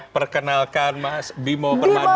perkenalkan mas bimo permadi